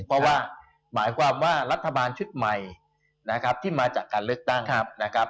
เพราะว่าหมายความว่ารัฐบาลชุดใหม่นะครับที่มาจากการเลือกตั้งนะครับ